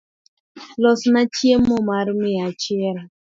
Losna chiemo mar mia achiel